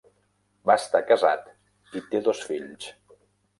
Va estar casat i té dos fills.